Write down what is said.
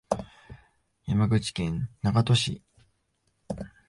山口県長門市